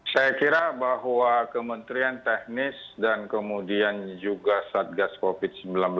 saya kira bahwa kementerian teknis dan kemudian juga satgas covid sembilan belas